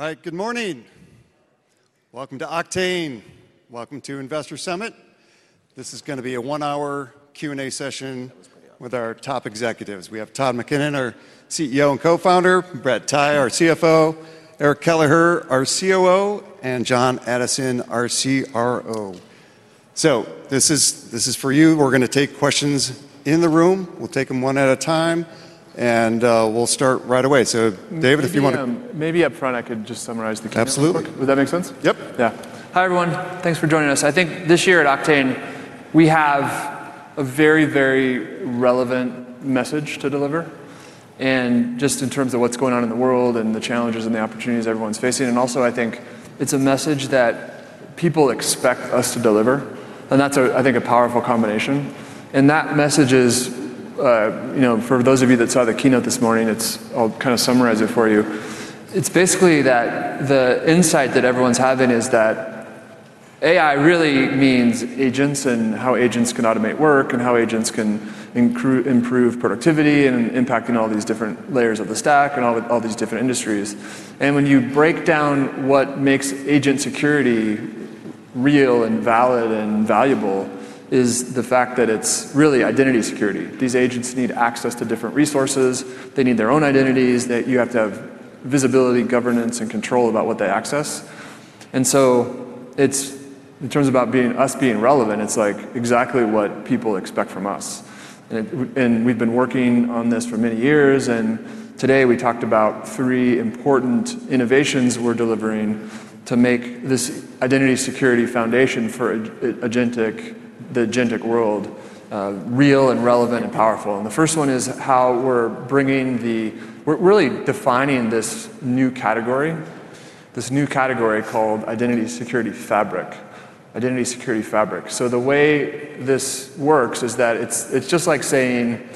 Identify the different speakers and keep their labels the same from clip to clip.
Speaker 1: All right, good morning. Welcome to Oktane. Welcome to Investor Summit. This is going to be a one-hour Q&A session with our top executives. We have Todd McKinnon, our CEO and co-founder, Brett Tighe, our CFO, Eric Kelleher, our COO, and Jon Addison, our CRO. This is for you. We're going to take questions in the room. We'll take them one at a time, and we'll start right away. David, if you want to.
Speaker 2: Maybe up front, I could just summarize the key points.
Speaker 3: Absolutely.
Speaker 2: Would that make sense?
Speaker 3: Yep.
Speaker 2: Yeah. Hi, everyone. Thanks for joining us. I think this year at Oktane, we have a very, very relevant message to deliver. Just in terms of what's going on in the world and the challenges and the opportunities everyone's facing. I think it's a message that people expect us to deliver. That's a, I think, a powerful combination. That message is, you know, for those of you that saw the keynote this morning, I'll kind of summarize it for you. It's basically that the insight that everyone's having is that AI really means agents and how agents can automate work and how agents can improve productivity and impacting all these different layers of the stack and all these different industries. When you break down what makes agent security real and valid and valuable, it's the fact that it's really identity security. These agents need access to different resources. They need their own identities. You have to have visibility, governance, and control about what they access. In terms of about us being relevant, it's like exactly what people expect from us. We've been working on this for many years. Today we talked about three important innovations we're delivering to make this identity security foundation for the agentic world real and relevant and powerful. The first one is how we're bringing the, we're really defining this new category, this new category called identity security fabric. Identity security fabric. The way this works is that it's just like saying,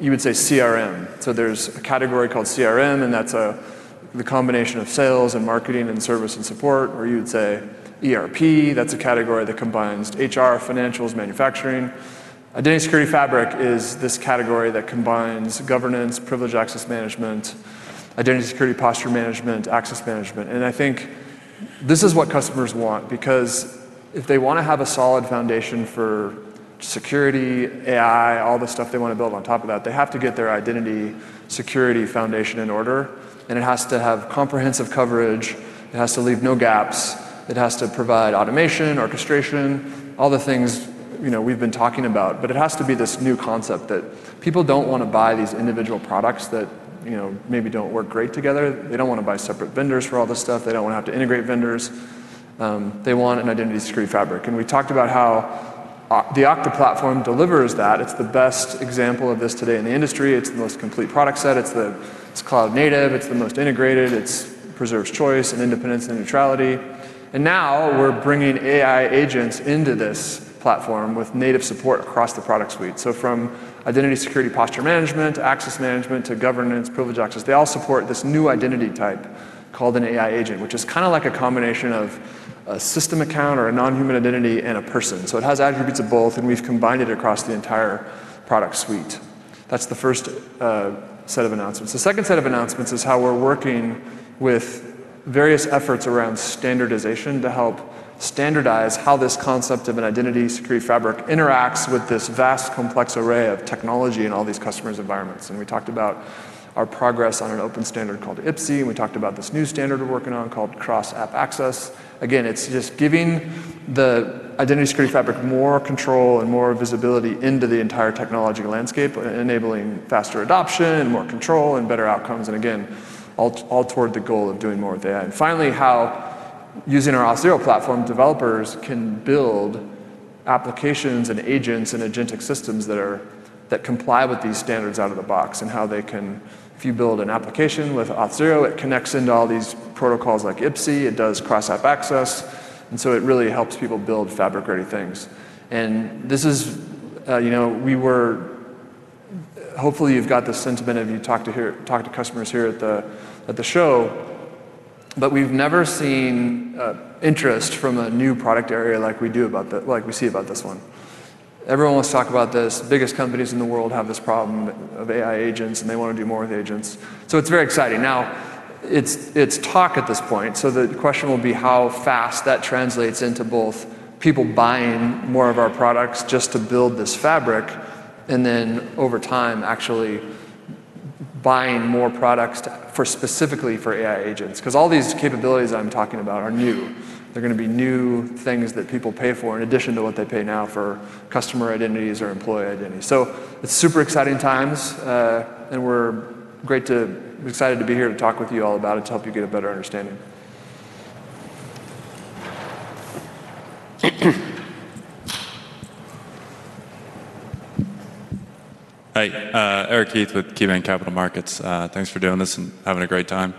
Speaker 2: you would say CRM. There's a category called CRM, and that's the combination of sales and marketing and service and support, where you would say ERP. That's a category that combines HR, financials, manufacturing. Identity security fabric is this category that combines governance, privileged access management, identity security posture management, access management. I think this is what customers want because if they want to have a solid foundation for security, AI, all the stuff they want to build on top of that, they have to get their identity security foundation in order. It has to have comprehensive coverage. It has to leave no gaps. It has to provide automation, orchestration, all the things, you know, we've been talking about. It has to be this new concept that people don't want to buy these individual products that, you know, maybe don't work great together. They don't want to buy separate vendors for all this stuff. They don't want to have to integrate vendors. They want an identity security fabric. We talked about how the Okta platform delivers that. It's the best example of this today in the industry. It's the most complete product set. It's cloud native. It's the most integrated. It preserves choice and independence and neutrality. Now we're bringing AI agents into this platform with native support across the product suite. From identity security posture management, access management, to governance, privileged access, they all support this new identity type called an AI agent, which is kind of like a combination of a system account or a non-human identity and a person. It has attributes of both, and we've combined it across the entire product suite. That's the first set of announcements. The second set of announcements is how we're working with various efforts around standardization to help standardize how this concept of an identity security fabric interacts with this vast, complex array of technology in all these customers' environments. We talked about our progress on an open standard called IPSIE. We talked about this new standard we're working on called cross-app access. It's just giving the identity security fabric more control and more visibility into the entire technology landscape, enabling faster adoption and more control and better outcomes. All toward the goal of doing more with AI. Finally, using our Auth0 platform, developers can build applications and agents and agentic systems that comply with these standards out of the box. If you build an application with Auth0, it connects into all these protocols like IPSIE. It does cross-app access. It really helps people build fabric-ready things. Hopefully, you've got this sentiment if you talk to customers here at the show, but we've never seen interest from a new product area like we do about this one. Everyone wants to talk about this. The biggest companies in the world have this problem of AI agents, and they want to do more with agents. It's very exciting. Now, it's talk at this point. The question will be how fast that translates into both people buying more of our products just to build this fabric and then over time actually buying more products specifically for AI agents. All these capabilities that I'm talking about are new. They're going to be new things that people pay for in addition to what they pay now for customer identities or employee identities. It's super exciting times, and we're great to, I'm excited to be here to talk with you all about it to help you get a better understanding.
Speaker 4: Hey, Eric Heith with KeyBanc Capital Markets. Thanks for doing this and having a great time.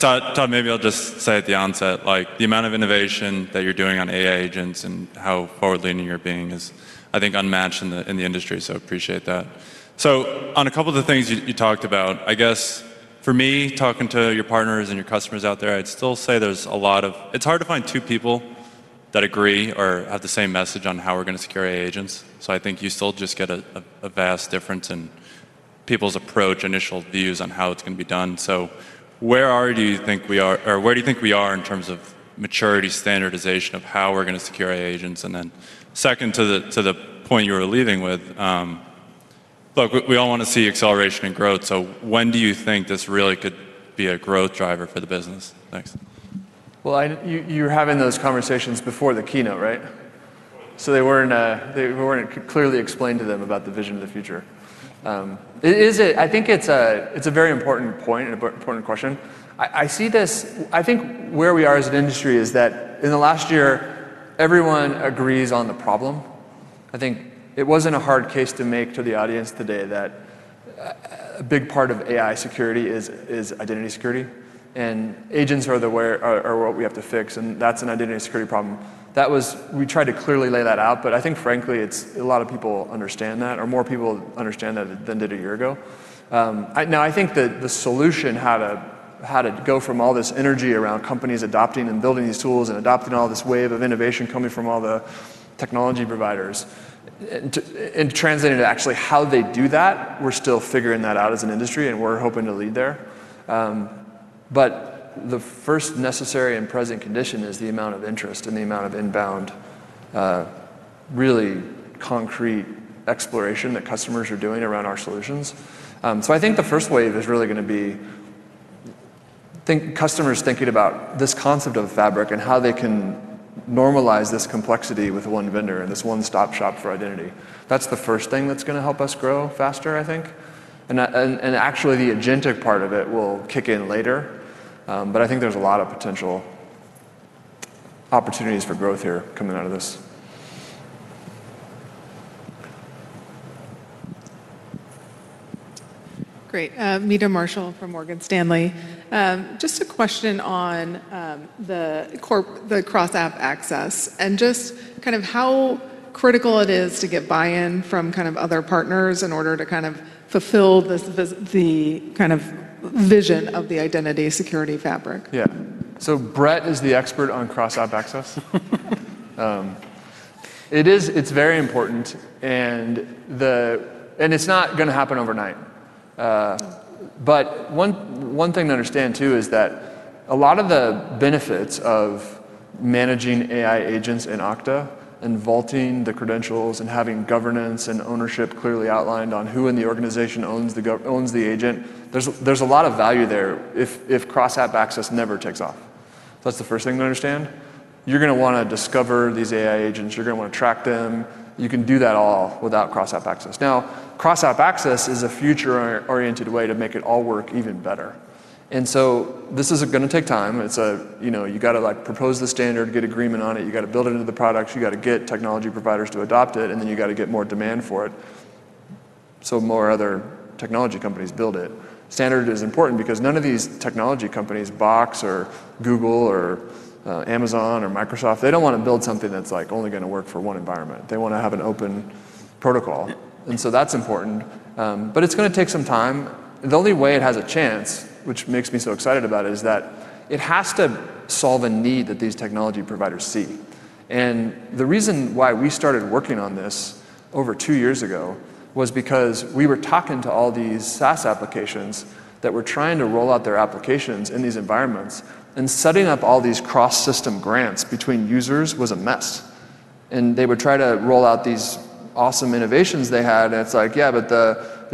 Speaker 4: Todd, maybe I'll just say at the onset, the amount of innovation that you're doing on AI agents and how forward-leaning you're being is, I think, unmatched in the industry. I appreciate that. On a couple of the things you talked about, for me, talking to your partners and your customers out there, I'd still say it's hard to find two people that agree or have the same message on how we're going to secure AI agents. I think you still just get a vast difference in people's approach, initial views on how it's going to be done. Where do you think we are, or where do you think we are in terms of maturity, standardization of how we're going to secure AI agents? Second, to the point you were leading with, look, we all want to see acceleration and growth. When do you think this really could be a growth driver for the business? Thanks.
Speaker 2: You're having those conversations before the keynote, right? They weren't, we weren't clearly explained to them about the vision of the future. I think it's a very important point and an important question. I see this, I think where we are as an industry is that in the last year, everyone agrees on the problem. I think it wasn't a hard case to make to the audience today that a big part of AI security is identity security. Agents are the way or what we have to fix, and that's an identity security problem. That was, we tried to clearly lay that out. I think, frankly, a lot of people understand that, or more people understand that than did a year ago. I think that the solution, how to go from all this energy around companies adopting and building these tools and adopting all this wave of innovation coming from all the technology providers and translating to actually how they do that, we're still figuring that out as an industry, and we're hoping to lead there. The first necessary and present condition is the amount of interest and the amount of inbound really concrete exploration that customers are doing around our solutions. I think the first wave is really going to be customers thinking about this concept of fabric and how they can normalize this complexity with one vendor and this one stop shop for identity. That's the first thing that's going to help us grow faster, I think. Actually, the agentic part of it will kick in later. I think there's a lot of potential opportunities for growth here coming out of this.
Speaker 5: Great. Meta Marshall from Morgan Stanley. Just a question on the cross-app access and just how critical it is to get buy-in from other partners in order to fulfill the vision of the identity security fabric.
Speaker 2: Yeah. Brett is the expert on cross-app access. It is very important, and it's not going to happen overnight. One thing to understand too is that a lot of the benefits of managing AI agents in Okta and vaulting the credentials and having governance and ownership clearly outlined on who in the organization owns the agent, there's a lot of value there if cross-app access never takes off. That's the first thing to understand. You're going to want to discover these AI agents. You're going to want to track them. You can do that all without cross-app access. Cross-app access is a future-oriented way to make it all work even better. This is going to take time. You have to propose the standard, get agreement on it, build it into the products, get technology providers to adopt it, and then get more demand for it so more other technology companies build it. The standard is important because none of these technology companies, Box or Google or Amazon or Microsoft, want to build something that's only going to work for one environment. They want to have an open protocol, and that's important. It's going to take some time. The only way it has a chance, which makes me so excited about it, is that it has to solve a need that these technology providers see. The reason why we started working on this over two years ago was because we were talking to all these SaaS applications that were trying to roll out their applications in these environments, and setting up all these cross-system grants between users was a mess. They would try to roll out these awesome innovations they had, and it's like, yeah, but it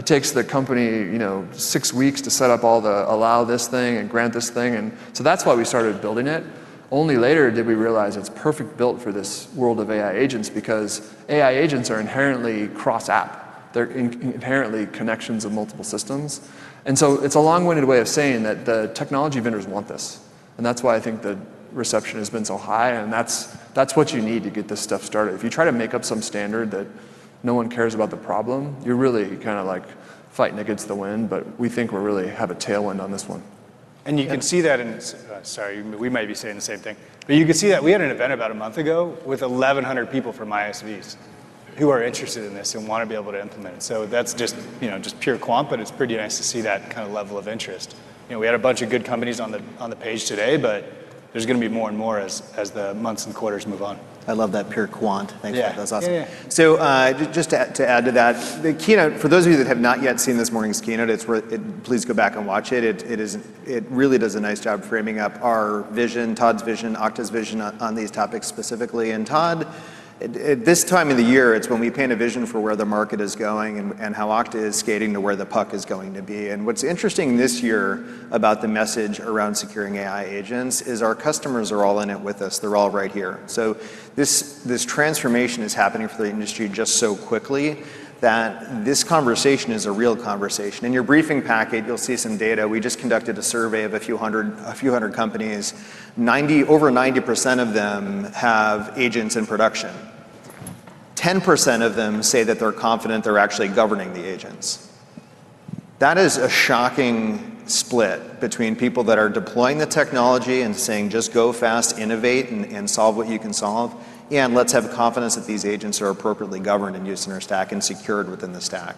Speaker 2: takes the company six weeks to set up all the allow this thing and grant this thing. That's why we started building it. Only later did we realize it's perfect built for this world of AI agents because AI agents are inherently cross-app. They're inherently connections of multiple systems. It's a long-winded way of saying that the technology vendors want this, and that's why I think the reception has been so high. That's what you need to get this stuff started. If you try to make up some standard that no one cares about the problem, you're really kind of fighting against the wind. We think we really have a tailwind on this one.
Speaker 3: You can see that we had an event about a month ago with 1,100 people from ISVs who are interested in this and want to be able to implement it. That's just, you know, just pure quant, but it's pretty nice to see that kind of level of interest. We had a bunch of good companies on the page today, but there's going to be more and more as the months and quarters move on.
Speaker 2: I love that pure quant. I think that's awesome.
Speaker 3: Just to add to that, the keynote, for those of you that have not yet seen this morning's keynote, please go back and watch it. It really does a nice job framing up our vision, Todd's vision, Okta's vision on these topics specifically. At this time of the year, it's when we paint a vision for where the market is going and how Okta is skating to where the puck is going to be. What's interesting this year about the message around securing AI agents is our customers are all in it with us. They're all right here. This transformation is happening for the industry just so quickly that this conversation is a real conversation. In your briefing package, you'll see some data. We just conducted a survey of a few hundred companies. Over 90% of them have agents in production. 10% of them say that they're confident they're actually governing the agents. That is a shocking split between people that are deploying the technology and saying, just go fast, innovate, and solve what you can solve. Let's have confidence that these agents are appropriately governed and used in our stack and secured within the stack.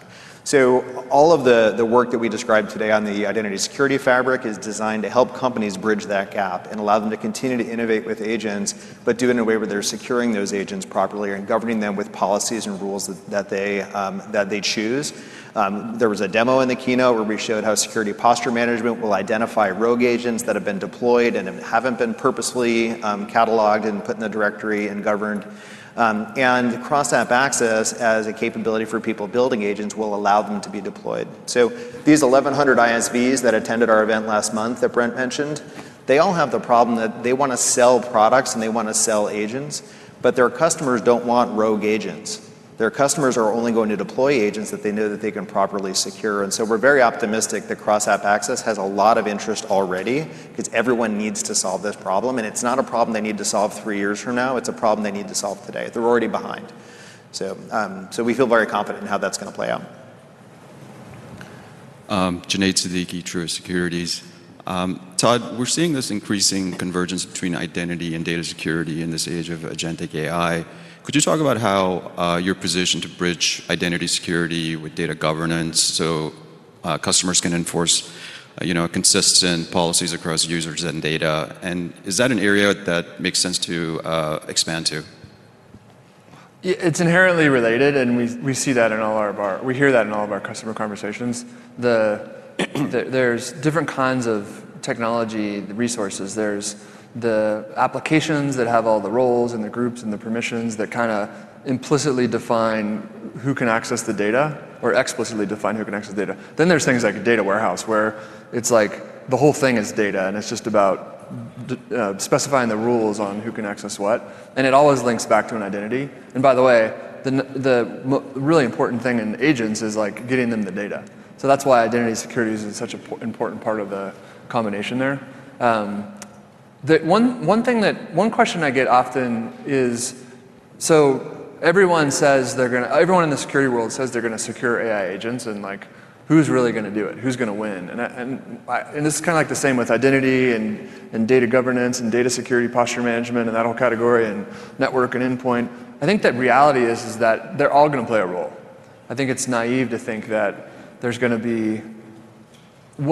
Speaker 3: All of the work that we described today on the identity security fabric is designed to help companies bridge that gap and allow them to continue to innovate with agents, but do it in a way where they're securing those agents properly and governing them with policies and rules that they choose. There was a demo in the keynote where we showed how security posture management will identify rogue agents that have been deployed and haven't been purposely cataloged and put in a directory and governed. Cross-app access as a capability for people building agents will allow them to be deployed. These 1,100 ISVs that attended our event last month that Brett mentioned, they all have the problem that they want to sell products and they want to sell agents, but their customers don't want rogue agents. Their customers are only going to deploy agents that they know that they can properly secure. We're very optimistic that cross-app access has a lot of interest already because everyone needs to solve this problem. It's not a problem they need to solve three years from now. It's a problem they need to solve today. They're already behind. We feel very confident in how that's going to play out.
Speaker 6: Junaid Siddiqui, Truist Securities. Todd, we're seeing this increasing convergence between identity and data security in this age of agentic AI. Could you talk about how you're positioned to bridge identity security with data governance so customers can enforce consistent policies across users and data? Is that an area that makes sense to expand to?
Speaker 2: It's inherently related, and we see that in all of our, we hear that in all of our customer conversations. There are different kinds of technology resources. There are the applications that have all the roles and the groups and the permissions that kind of implicitly define who can access the data or explicitly define who can access the data. Then there are things like data warehouse where it's like the whole thing is data, and it's just about specifying the rules on who can access what. It always links back to an identity. By the way, the really important thing in agents is getting them the data. That is why identity security is such an important part of the combination there. One question I get often is, everyone says they are going to, everyone in the security world says they are going to secure AI agents, and who is really going to do it? Who is going to win? This is kind of like the same with identity and data governance and data security posture management and that whole category and network and endpoint. I think the reality is that they are all going to play a role. I think it is naive to think that there is going to be,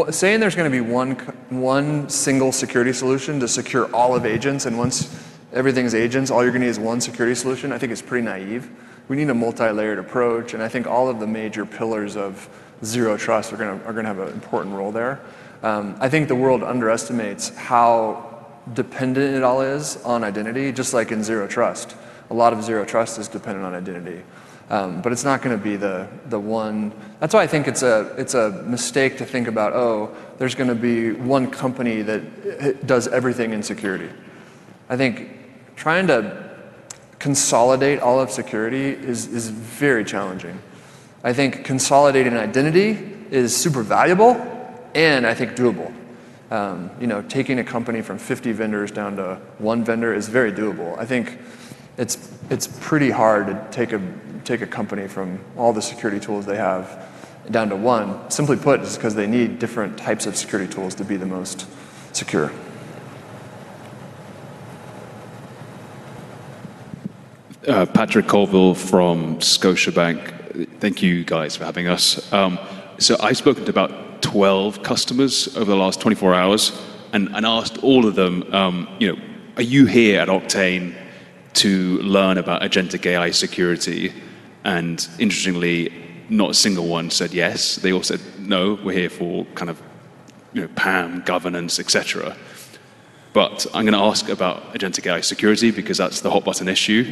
Speaker 2: saying there is going to be one single security solution to secure all of agents, and once everything is agents, all you are going to need is one security solution, I think it is pretty naive. We need a multi-layered approach, and I think all of the major pillars of zero trust are going to have an important role there. I think the world underestimates how dependent it all is on identity, just like in zero trust. A lot of zero trust is dependent on identity. It is not going to be the one, that is why I think it is a mistake to think about, oh, there is going to be one company that does everything in security. I think trying to consolidate all of security is very challenging. I think consolidating in identity is super valuable and I think doable. You know, taking a company from 50 vendors down to one vendor is very doable. I think it is pretty hard to take a company from all the security tools they have down to one, simply put, just because they need different types of security tools to be the most secure.
Speaker 7: Patrick Colville from Scotiabank. Thank you guys for having us. I've spoken to about 12 customers over the last 24 hours and asked all of them, you know, are you here at Oktane to learn about agentic AI security? Interestingly, not a single one said yes. They all said, no, we're here for kind of, you know, PAM, governance, et cetera. I'm going to ask about agentic AI security because that's the hot button issue.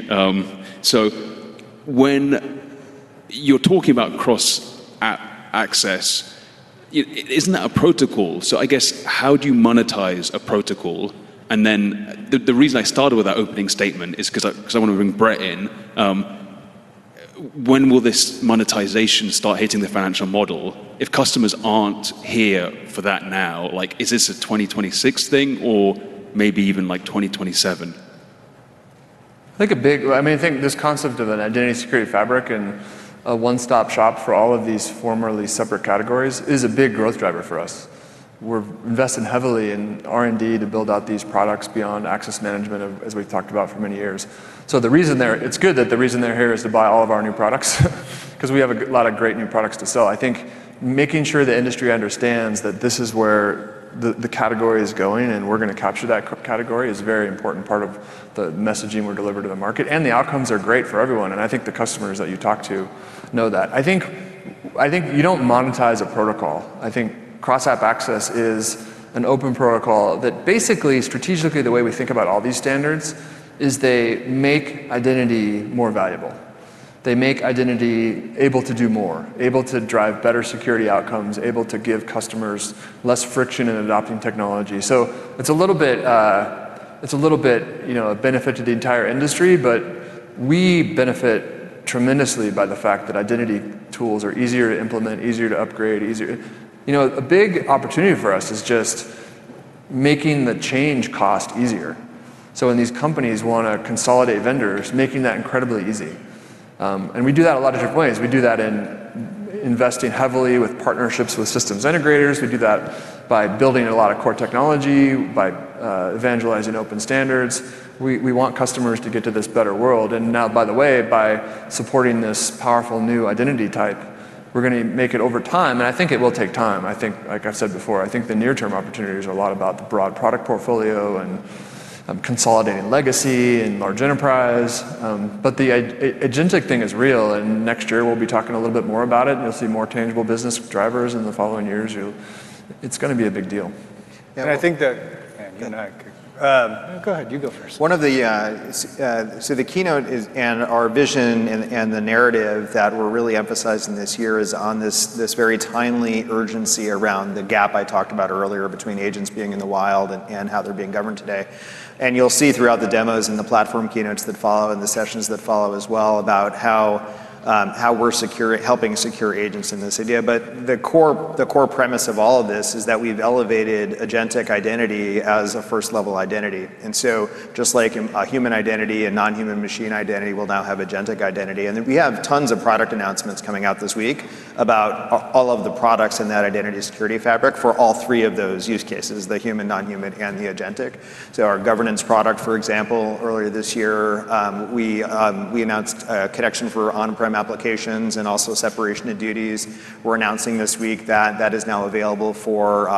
Speaker 7: When you're talking about cross-app access, isn't that a protocol? I guess how do you monetize a protocol? The reason I started with that opening statement is because I want to bring Brett in. When will this monetization start hitting the financial model? If customers aren't here for that now, is this a 2026 thing or maybe even like 2027?
Speaker 8: I think this concept of an identity security fabric and a one-stop shop for all of these formerly separate categories is a big growth driver for us. We're investing heavily in R&D to build out these products beyond access management, as we've talked about for many years. The reason they're here is to buy all of our new products because we have a lot of great new products to sell. Making sure the industry understands that this is where the category is going and we're going to capture that category is a very important part of the messaging we're delivering to the market. The outcomes are great for everyone. I think the customers that you talk to know that. You don't monetize a protocol. Cross-app access is an open protocol that basically, strategically, the way we think about all these standards is they make identity more valuable. They make identity able to do more, able to drive better security outcomes, able to give customers less friction in adopting technology. It's a little bit, you know, a benefit to the entire industry, but we benefit tremendously by the fact that identity tools are easier to implement, easier to upgrade, easier. A big opportunity for us is just making the change cost easier. When these companies want to consolidate vendors, making that incredibly easy. We do that in a lot of different ways. We do that in investing heavily with partnerships with systems integrators. We do that by building a lot of core technology, by evangelizing open standards. We want customers to get to this better world. By the way, by supporting this powerful new identity type, we're going to make it over time. I think it will take time. Like I've said before, I think the near-term opportunities are a lot about the broad product portfolio and consolidating legacy and large enterprise. The agentic thing is real. Next year, we'll be talking a little bit more about it. You'll see more tangible business drivers in the following years. It's going to be a big deal.
Speaker 3: I think that,
Speaker 2: go ahead, you go first.
Speaker 3: The keynote is, and our vision and the narrative that we're really emphasizing this year is on this very timely urgency around the gap I talked about earlier between agents being in the wild and how they're being governed today. You'll see throughout the demos and the platform keynotes that follow and the sessions that follow as well about how we're helping secure agents in this idea. The core premise of all of this is that we've elevated agentic identity as a first-level identity. Just like a human identity and non-human machine identity, we'll now have agentic identity. We have tons of product announcements coming out this week about all of the products in that identity security fabric for all three of those use cases, the human, non-human, and the agentic. Our governance product, for example, earlier this year, we announced a connection for on-prem applications and also separation of duties. We're announcing this week that that is now available for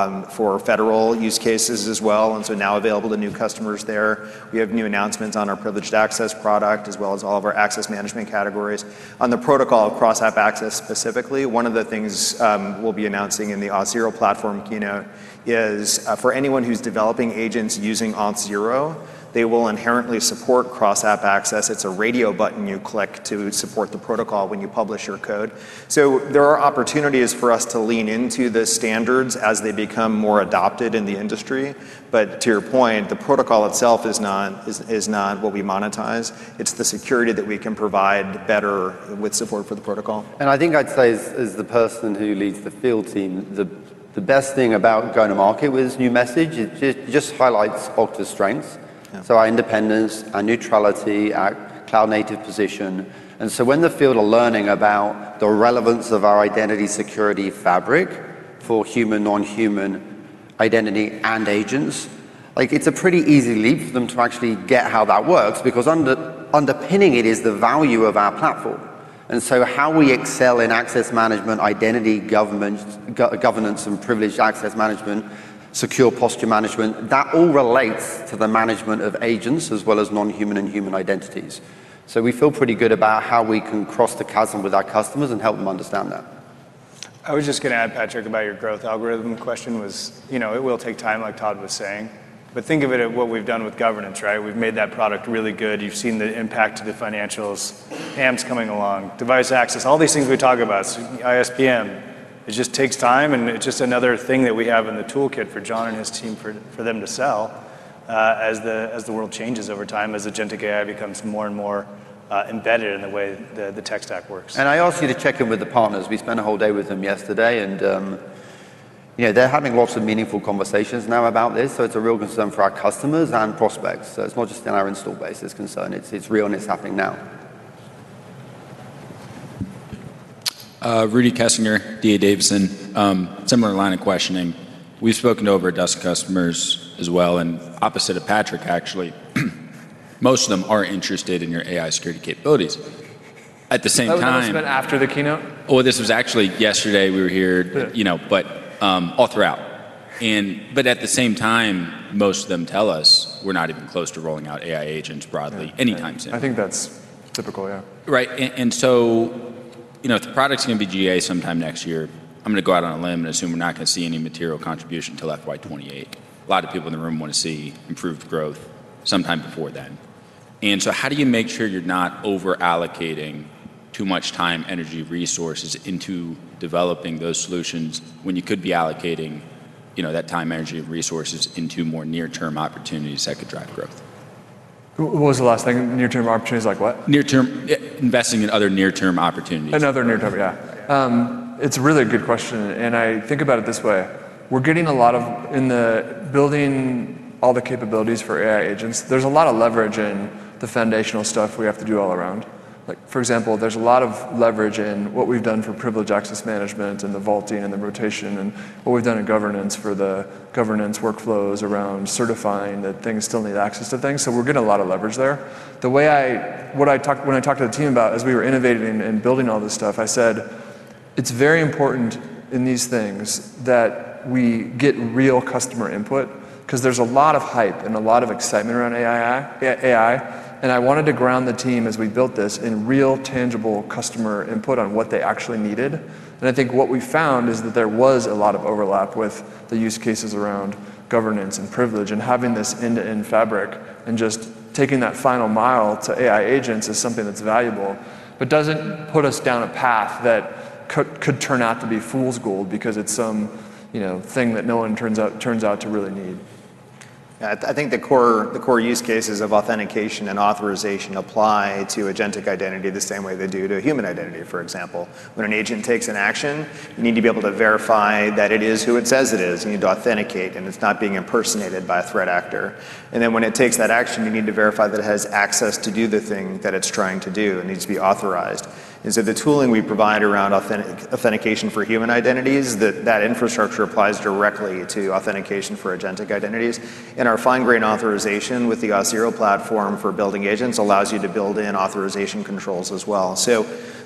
Speaker 3: federal use cases as well and now available to new customers there. We have new announcements on our privileged access product, as well as all of our access management categories. On the protocol of cross-app access specifically, one of the things we'll be announcing in the Auth0 platform keynote is for anyone who's developing agents using Auth0, they will inherently support cross-app access. It's a radio button you click to support the protocol when you publish your code. There are opportunities for us to lean into the standards as they become more adopted in the industry. To your point, the protocol itself is not what we monetize. It's the security that we can provide better with support for the protocol.
Speaker 9: I think I'd say as the person who leads the field team, the best thing about going to market with this new message is it just highlights Okta's strengths. Our independence, our neutrality, our cloud-native position. When the field are learning about the relevance of our identity security fabric for human, non-human identity and agents, it's a pretty easy leap for them to actually get how that works because underpinning it is the value of our platform. How we excel in access management, identity governance, and privileged access management, secure posture management, that all relates to the management of agents as well as non-human and human identities. We feel pretty good about how we can cross the chasm with our customers and help them understand that.
Speaker 3: I was just going to add, Patrick, about your growth algorithm question, it will take time, like Todd was saying. Think of it at what we've done with governance, right? We've made that product really good. You've seen the impact to the financials, hands coming along, Device Access, all these things we talk about. ISPM, it just takes time. It's just another thing that we have in the toolkit for John and his team for them to sell as the world changes over time, as agentic AI becomes more and more embedded in the way the tech stack works.
Speaker 9: I asked you to check in with the partners. We spent a whole day with them yesterday. You know, they're having lots of meaningful conversations now about this. It's a real concern for our customers and prospects. It's not just in our install base's concern. It's real and it's happening now.
Speaker 10: Rudy Kessinger, D.A. Davidson, similar line of questioning. We've spoken to over a dozen customers as well. Opposite of Patrick, actually, most of them are interested in your AI security capabilities at the same time.
Speaker 2: Oh, this was after the keynote?
Speaker 10: Oh, this was actually yesterday we were here, you know, all throughout. At the same time, most of them tell us we're not even close to rolling out AI agents broadly anytime soon.
Speaker 2: I think that's typical, yeah.
Speaker 10: Right. If the product's going to be GA sometime next year, I'm going to go out on a limb and assume we're not going to see any material contribution till FY2028. A lot of people in the room want to see improved growth sometime before then. How do you make sure you're not overallocating too much time, energy, resources into developing those solutions when you could be allocating that time, energy, and resources into more near-term opportunities that could drive growth?
Speaker 2: What was the last thing? Near-term opportunities, like what?
Speaker 10: Near-term, investing in other near-term opportunities.
Speaker 2: Another near-term, yeah. It's really a good question. I think about it this way. We're getting a lot of, in building all the capabilities for AI agents, there's a lot of leverage in the foundational stuff we have to do all around. For example, there's a lot of leverage in what we've done for privileged access management and the vaulting and the rotation and what we've done in governance for the governance workflows around certifying that things still need access to things. We're getting a lot of leverage there. When I talked to the team about as we were innovating and building all this stuff, I said it's very important in these things that we get real customer input because there's a lot of hype and a lot of excitement around AI, and I wanted to ground the team as we built this in real tangible customer input on what they actually needed. I think what we found is that there was a lot of overlap with the use cases around governance and privilege and having this end-to-end fabric and just taking that final mile to AI agents is something that's valuable, but doesn't put us down a path that could turn out to be fool's gold because it's some, you know, thing that no one turns out to really need.
Speaker 3: Yeah, I think the core use cases of authentication and authorization apply to agentic identity the same way they do to a human identity, for example. When an agent takes an action, you need to be able to verify that it is who it says it is. You need to authenticate, and it's not being impersonated by a threat actor. When it takes that action, you need to verify that it has access to do the thing that it's trying to do and needs to be authorized. The tooling we provide around authentication for human identities, that infrastructure applies directly to authentication for agentic identities. Our fine-grained authorization with the Auth0 platform for building agents allows you to build in authorization controls as well.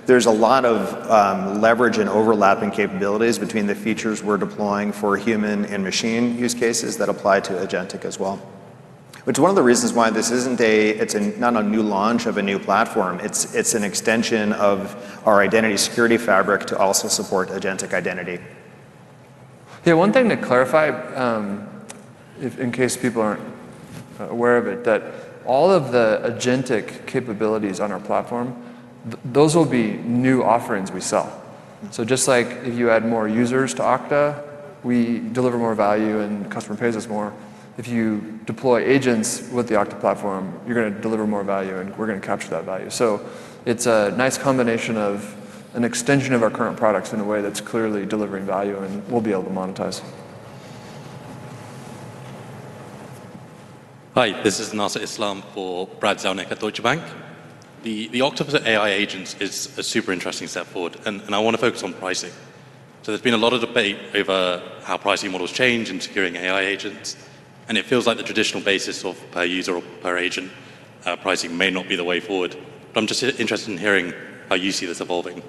Speaker 3: There's a lot of leverage and overlap in capabilities between the features we're deploying for human and machine use cases that apply to agentic as well. It's one of the reasons why this isn't a, it's not a new launch of a new platform. It's an extension of our identity security fabric to also support agentic identity.
Speaker 2: Yeah, one thing to clarify, in case people aren't aware of it, is that all of the agentic capabilities on our platform, those will be new offerings we sell. Just like if you add more users to Okta, we deliver more value and the customer pays us more. If you deploy agents with the Okta platform, you're going to deliver more value and we're going to capture that value. It's a nice combination of an extension of our current products in a way that's clearly delivering value and we'll be able to monetize.
Speaker 11: Hi, this is Nasr Islam for Brad Zelnick at Deutsche Bank. The Okta AI Agents is a super interesting step forward, and I want to focus on pricing. There has been a lot of debate over how pricing models change in securing AI agents, and it feels like the traditional basis of per user or per agent pricing may not be the way forward. I'm just interested in hearing how you see this evolving.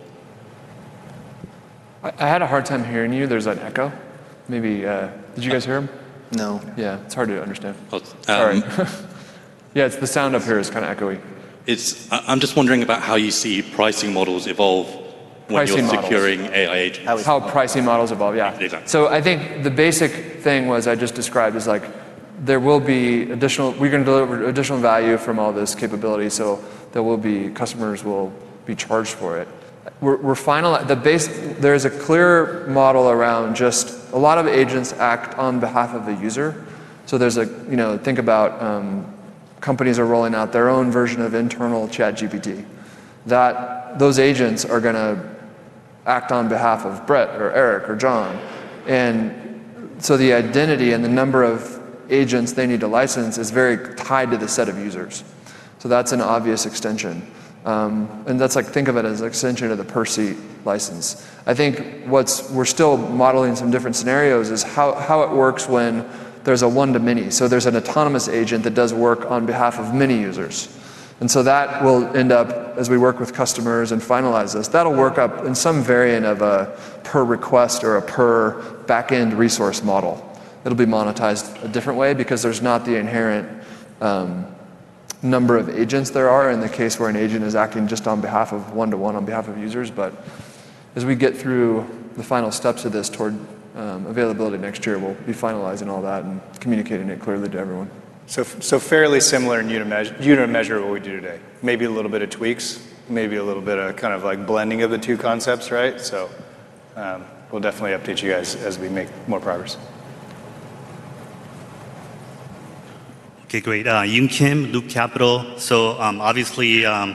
Speaker 2: I had a hard time hearing you. There's an echo. Maybe, did you guys hear him?
Speaker 3: No.
Speaker 2: Yeah, it's hard to understand.
Speaker 11: Oh, sorry.
Speaker 2: Yeah, the sound up here is kind of echoey.
Speaker 11: I'm just wondering about how you see pricing models evolve when you're securing AI agents.
Speaker 2: How pricing models evolve, yeah. I think the basic thing I just described is like there will be additional, we're going to deliver additional value from all this capability. There will be customers who will be charged for it. We're finalized, the base, there is a clear model around just a lot of agents act on behalf of the user. Think about companies rolling out their own version of internal ChatGPT, those agents are going to act on behalf of Brett or Eric or John. The identity and the number of agents they need to license is very tied to the set of users. That's an obvious extension. That's like, think of it as an extension of the per-seat license. I think what we're still modeling in some different scenarios is how it works when there's a one-to-many. There's an autonomous agent that does work on behalf of many users. That will end up, as we work with customers and finalize this, that'll work up in some variant of a per-request or a per-backend resource model. It'll be monetized a different way because there's not the inherent number of agents there are in the case where an agent is acting just on behalf of one-to-one on behalf of users. As we get through the final steps of this toward availability next year, we'll be finalizing all that and communicating it clearly to everyone.
Speaker 3: is fairly similar in unit of measure to what we do today, maybe with a little bit of tweaks, maybe a little bit of blending of the two concepts. We will definitely update you guys as we make more progress.
Speaker 12: Okay, great. Yunxin, Duke Capital. Obviously, you know,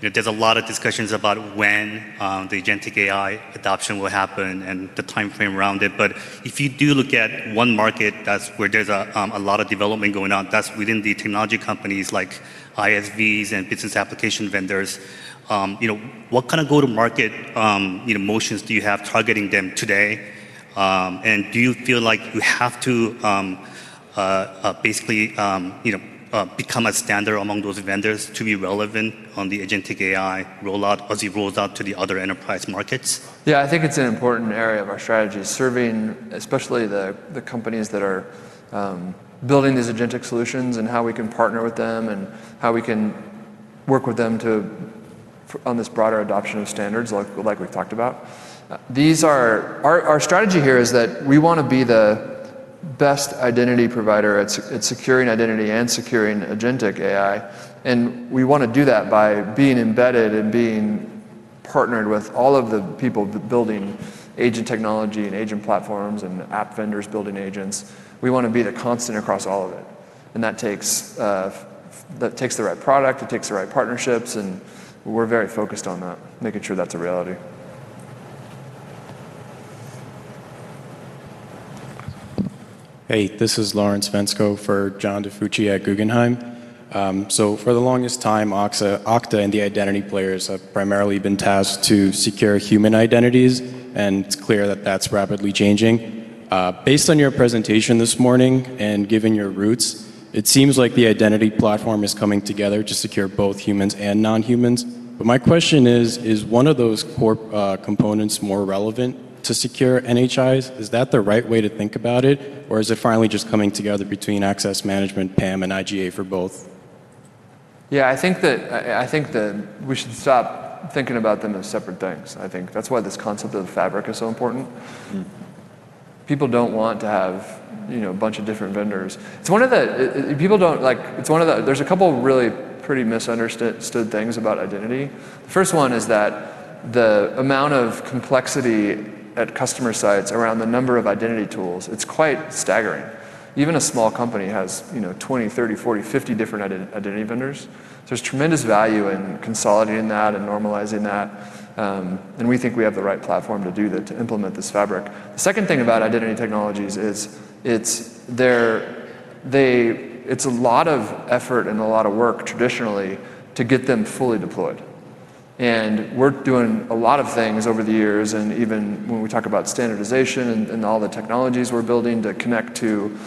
Speaker 12: there's a lot of discussions about when the agentic AI adoption will happen and the timeframe around it. If you do look at one market, that's where there's a lot of development going on. That's within the technology companies like ISVs and business application vendors. What kind of go-to-market motions do you have targeting them today? Do you feel like you have to basically become a standard among those vendors to be relevant on the agentic AI rollout as it rolls out to the other enterprise markets?
Speaker 2: Yeah, I think it's an important area of our strategy is serving, especially the companies that are building these agentic solutions and how we can partner with them and how we can work with them on this broader adoption of standards, like we've talked about. Our strategy here is that we want to be the best identity provider at securing identity and securing agentic AI. We want to do that by being embedded and being partnered with all of the people building agent technology and agent platforms and app vendors building agents. We want to be the constant across all of it. That takes the right product. It takes the right partnerships. We're very focused on that, making sure that's a reality.
Speaker 13: Hey, this is Laurence Vensko for John DiFucci at Guggenheim. For the longest time, Okta and the identity players have primarily been tasked to secure human identities. It's clear that that's rapidly changing. Based on your presentation this morning and given your roots, it seems like the identity platform is coming together to secure both humans and non-humans. My question is, is one of those core components more relevant to secure NHIs? Is that the right way to think about it? Is it finally just coming together between access management, privileged access management, and identity governance for both?
Speaker 2: Yeah, I think that we should stop thinking about them as separate things. I think that's why this concept of the fabric is so important. People don't want to have a bunch of different vendors. It's one of the things people don't like. There's a couple of really pretty misunderstood things about identity. The first one is that the amount of complexity at customer sites around the number of identity tools is quite staggering. Even a small company has 20, 30, 40, 50 different identity vendors. There's tremendous value in consolidating that and normalizing that. We think we have the right platform to do that, to implement this fabric. The second thing about identity technologies is it's a lot of effort and a lot of work traditionally to get them fully deployed. We're doing a lot of things over the years, and even when we talk about standardization and all the technologies we're building to connect to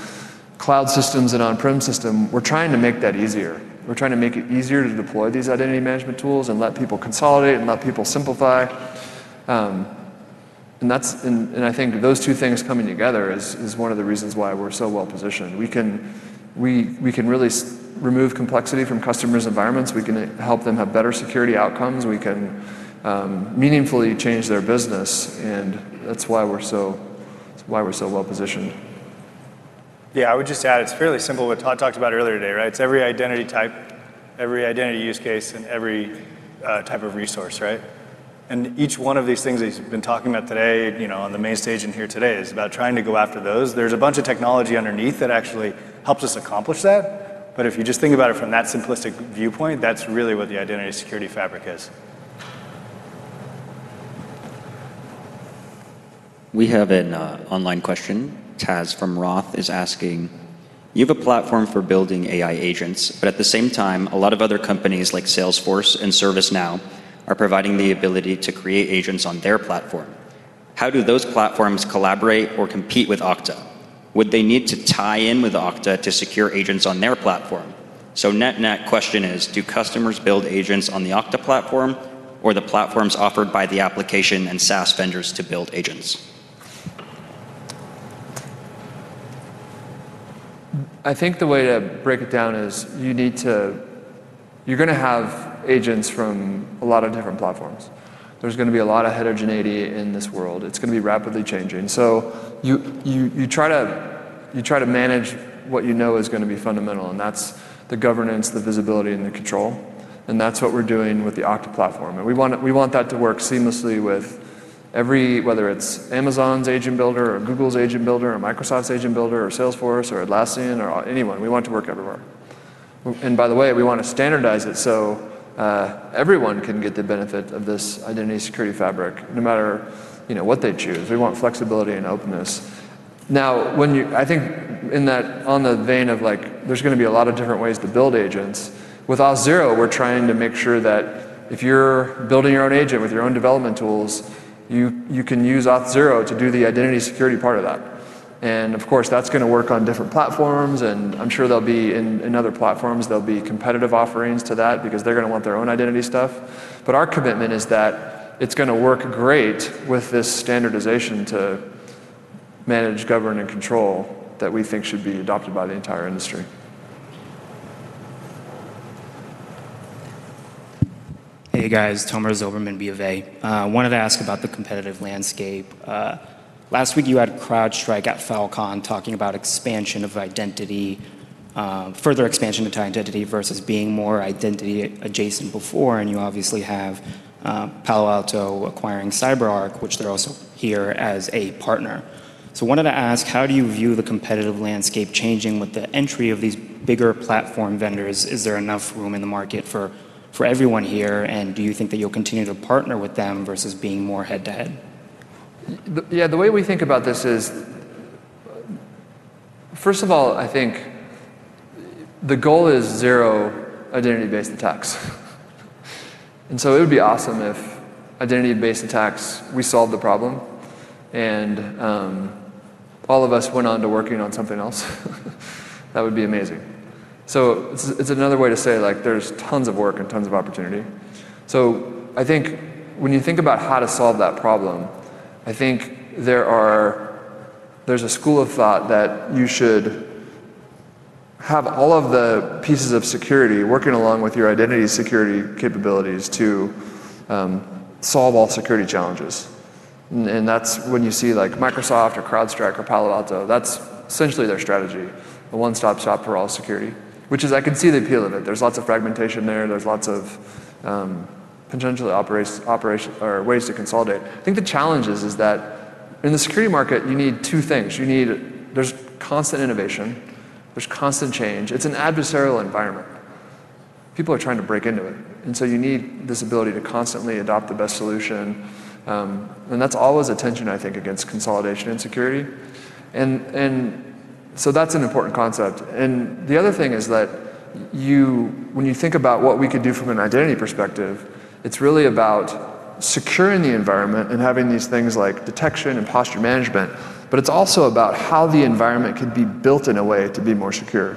Speaker 2: cloud systems and on-prem system, we're trying to make that easier. We're trying to make it easier to deploy these identity management tools and let people consolidate and let people simplify. I think those two things coming together is one of the reasons why we're so well positioned. We can really remove complexity from customers' environments. We can help them have better security outcomes. We can meaningfully change their business. That's why we're so well positioned.
Speaker 3: Yeah, I would just add it's fairly simple what Todd talked about earlier today, right? It's every identity type, every identity use case, and every type of resource, right? Each one of these things that he's been talking about today on the main stage in here today is about trying to go after those. There's a bunch of technology underneath that actually helps us accomplish that. If you just think about it from that simplistic viewpoint, that's really what the identity security fabric is.
Speaker 1: We have an online question. Taz from Roth is asking, you have a platform for building AI agents, but at the same time, a lot of other companies like Salesforce and ServiceNow are providing the ability to create agents on their platform. How do those platforms collaborate or compete with Okta? Would they need to tie in with Okta to secure agents on their platform? NetNet question is, do customers build agents on the Okta platform or the platforms offered by the application and SaaS vendors to build agents?
Speaker 2: I think the way to break it down is you need to, you're going to have agents from a lot of different platforms. There's going to be a lot of heterogeneity in this world. It's going to be rapidly changing. You try to manage what you know is going to be fundamental, and that's the governance, the visibility, and the control. That's what we're doing with the Okta platform. We want that to work seamlessly with every, whether it's Amazon's agent builder or Google's agent builder or Microsoft's agent builder or Salesforce or Atlassian or anyone. We want it to work everywhere. By the way, we want to standardize it so everyone can get the benefit of this identity security fabric, no matter, you know, what they choose. We want flexibility and openness. Now, I think in that, on the vein of like, there's going to be a lot of different ways to build agents. With Auth0, we're trying to make sure that if you're building your own agent with your own development tools, you can use Auth0 to do the identity security part of that. Of course, that's going to work on different platforms. I'm sure there'll be in other platforms, there'll be competitive offerings to that because they're going to want their own identity stuff. Our commitment is that it's going to work great with this standardization to manage, govern, and control that we think should be adopted by the entire industry.
Speaker 14: Hey guys, Tomer Zilberman, BofA. Wanted to ask about the competitive landscape. Last week, you had CrowdStrike at Falcon talking about expansion of identity, further expansion into identity versus being more identity adjacent before. You obviously have Palo Alto acquiring CyberArk, which they're also here as a partner. I wanted to ask, how do you view the competitive landscape changing with the entry of these bigger platform vendors? Is there enough room in the market for everyone here? Do you think that you'll continue to partner with them versus being more head to head?
Speaker 2: Yeah, the way we think about this is, first of all, I think the goal is zero identity-based attacks. It would be awesome if identity-based attacks, we solved the problem and all of us went on to working on something else. That would be amazing. It's another way to say like there's tons of work and tons of opportunity. I think when you think about how to solve that problem, there's a school of thought that you should have all of the pieces of security working along with your identity security capabilities to solve all security challenges. That's when you see like Microsoft or CrowdStrike or Palo Alto, that's essentially their strategy, a one-stop shop for all security, which is I can see the appeal of it. There's lots of fragmentation there. There's lots of potential operations or ways to consolidate. I think the challenge is that in the security market, you need two things. You need, there's constant innovation. There's constant change. It's an adversarial environment. People are trying to break into it. You need this ability to constantly adopt the best solution. That's always a tension, I think, against consolidation and security. That's an important concept. The other thing is that you, when you think about what we could do from an identity perspective, it's really about securing the environment and having these things like detection and posture management. It's also about how the environment could be built in a way to be more secure.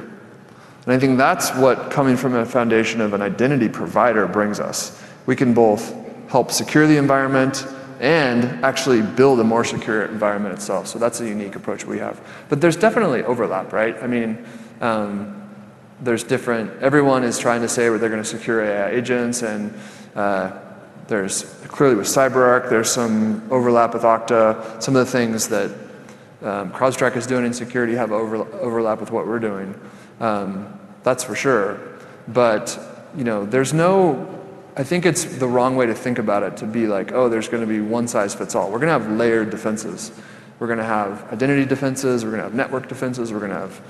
Speaker 2: I think that's what coming from a foundation of an identity provider brings us. We can both help secure the environment and actually build a more secure environment itself. That's a unique approach we have. There's definitely overlap, right? I mean, there's different, everyone is trying to say where they're going to secure AI agents. There's clearly with CyberArk, there's some overlap with Okta. Some of the things that CrowdStrike is doing in security have overlap with what we're doing. That's for sure. There's no, I think it's the wrong way to think about it to be like, oh, there's going to be one size fits all. We're going to have layered defenses. We're going to have identity defenses. We're going to have network defenses. We're going to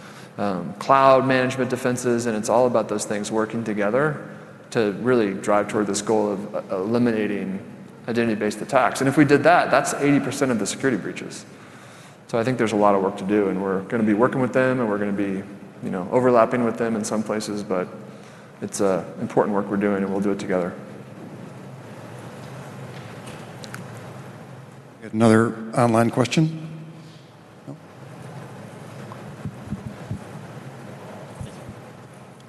Speaker 2: have cloud management defenses. It's all about those things working together to really drive toward this goal of eliminating identity-based attacks. If we did that, that's 80% of the security breaches. I think there's a lot of work to do. We're going to be working with them. We're going to be, you know, overlapping with them in some places. It's an important work we're doing. We'll do it together.
Speaker 1: Another online question?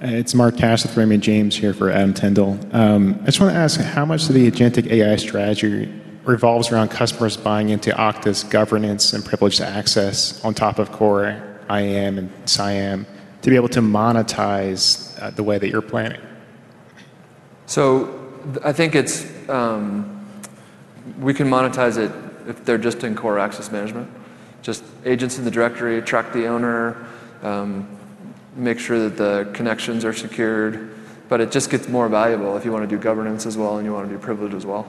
Speaker 15: It's Mark Tash with Raymond James here for Adam Tindall. I just want to ask, how much of the agentic AI strategy revolves around customers buying into Okta's governance and privileged access on top of Core IAM and SIAM to be able to monetize the way that you're planning?
Speaker 2: I think we can monetize it if they're just in core access management. Just agents in the directory, track the owner, make sure that the connections are secured. It just gets more valuable if you want to do governance as well and you want to do privilege as well.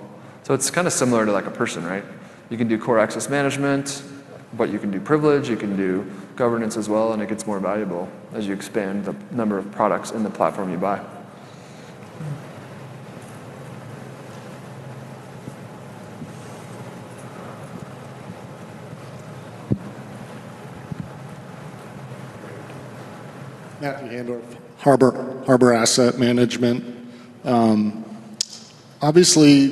Speaker 2: It's kind of similar to like a person, right? You can do core access management, but you can do privilege. You can do governance as well. It gets more valuable as you expand the number of products in the platform you buy.
Speaker 16: Matthew Handorf, Harber Asset Management. Obviously,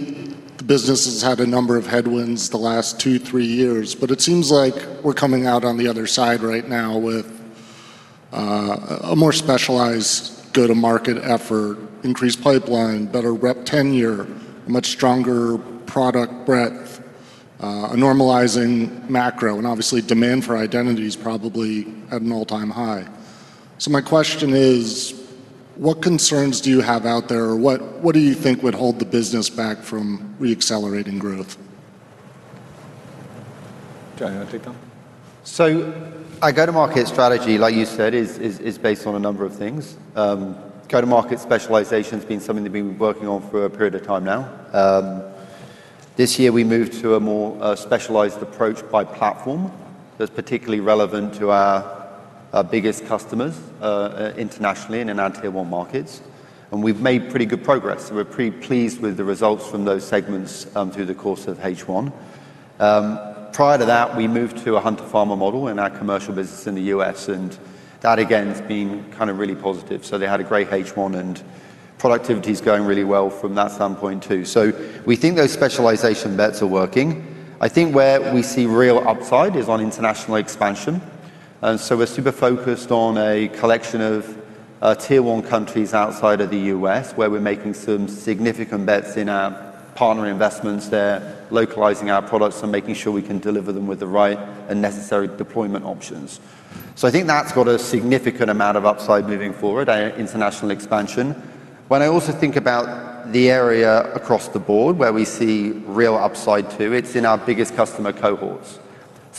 Speaker 16: the business has had a number of headwinds the last two, three years, but it seems like we're coming out on the other side right now with a more specialized go-to-market effort, increased pipeline, better rep tenure, a much stronger product breadth, a normalizing macro, and obviously demand for identities probably at an all-time high. My question is, what concerns do you have out there? What do you think would hold the business back from re-accelerating growth?
Speaker 2: John, you want to take that?
Speaker 9: Our go-to-market strategy, like you said, is based on a number of things. Go-to-market specialization has been something that we've been working on for a period of time now. This year, we moved to a more specialized approach by platform that's particularly relevant to our biggest customers internationally in our tier-one markets. We've made pretty good progress. We're pretty pleased with the results from those segments through the course of H1. Prior to that, we moved to a Hunter Farmer model in our commercial business in the U.S. That, again, has been really positive. They had a great H1, and productivity is going really well from that standpoint too. We think those specialization bets are working. Where we see real upside is on international expansion. We're super focused on a collection of tier-one countries outside of the U.S. where we're making some significant bets in our partner investments there, localizing our products and making sure we can deliver them with the right and necessary deployment options. That's got a significant amount of upside moving forward, our international expansion. When I also think about the area across the board where we see real upside too, it's in our biggest customer cohorts.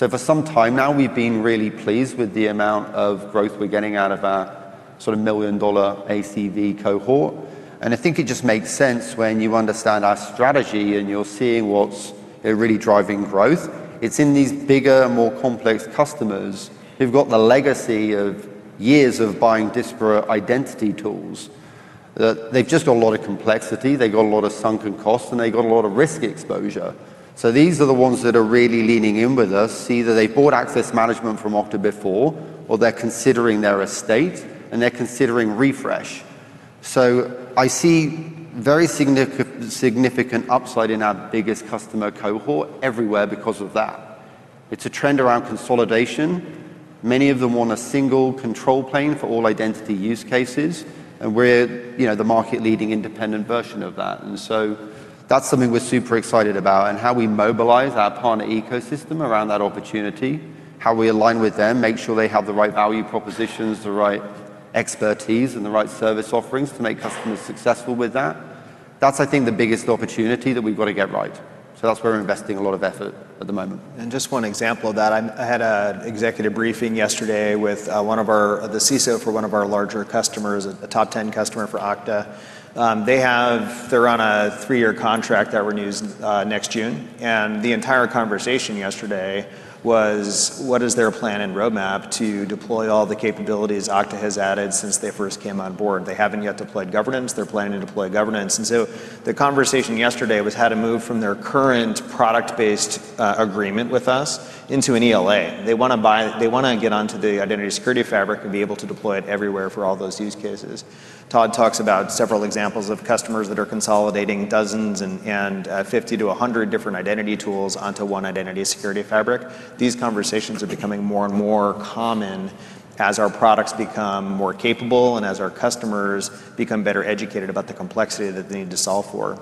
Speaker 9: For some time now, we've been really pleased with the amount of growth we're getting out of our sort of million-dollar ACV cohort. It just makes sense when you understand our strategy and you're seeing what's really driving growth. It's in these bigger, more complex customers. They've got the legacy of years of buying disparate identity tools. They've just got a lot of complexity. They've got a lot of sunken costs, and they've got a lot of risk exposure. These are the ones that are really leaning in with us, either they bought access management from Okta before, or they're considering their estate, and they're considering refresh. I see very significant upside in our biggest customer cohort everywhere because of that. It's a trend around consolidation. Many of them want a single control plane for all identity use cases. We're the market-leading independent version of that. That's something we're super excited about and how we mobilize our partner ecosystem around that opportunity, how we align with them, make sure they have the right value propositions, the right expertise, and the right service offerings to make customers successful with that. That's the biggest opportunity that we've got to get right. That's where we're investing a lot of effort at the moment.
Speaker 3: For example, I had an executive briefing yesterday with the CISO for one of our larger customers, a top 10 customer for Okta. They are on a three-year contract that renews next June. The entire conversation yesterday was what is their plan and roadmap to deploy all the capabilities Okta has added since they first came on board. They haven't yet deployed governance. They're planning to deploy governance. The conversation yesterday was how to move from their current product-based agreement with us into an ELA. They want to buy, they want to get onto the identity security fabric and be able to deploy it everywhere for all those use cases. Todd talks about several examples of customers that are consolidating dozens and 50-100 different identity tools onto one identity security fabric. These conversations are becoming more and more common as our products become more capable and as our customers become better educated about the complexity that they need to solve for.